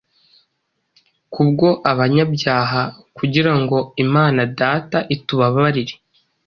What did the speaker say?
kubwo abanyabyaha kugirango imana data itubabarire